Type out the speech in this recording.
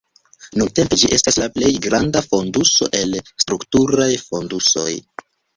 Nuntempa ĝi estas la plej granda fonduso el strukturaj fondusoj.